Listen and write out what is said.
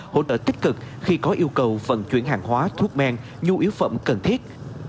hỗ trợ tích cực khi có yêu cầu vận chuyển hàng hóa thuốc men nhu yếu phẩm cần thiết